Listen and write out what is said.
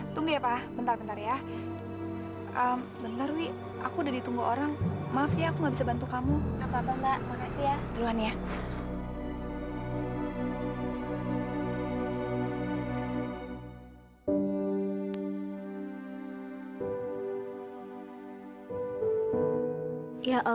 sampai jumpa di video selanjutnya